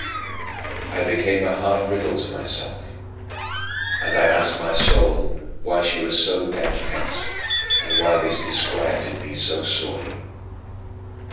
I became a hard riddle to myself, and I asked my soul why she was so downcast and why this disquieted me so sorely.